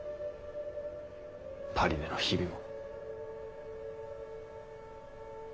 パリでの日々も。